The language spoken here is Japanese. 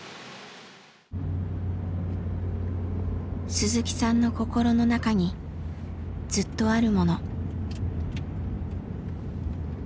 鈴木さんの心の中にずっとあるもの。